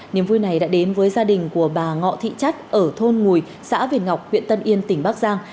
niềm vui này đã đến với gia đình của bà ngọ thị chất ở thôn ngùi xã việt ngọc huyện tân yên tỉnh bắc giang